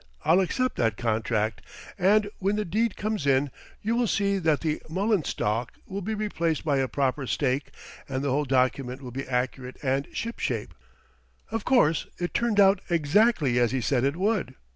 I'll accept that contract, and when the deed comes in, you will see that the mullen stalk will be replaced by a proper stake and the whole document will be accurate and shipshape." Of course it turned out exactly as he said it would.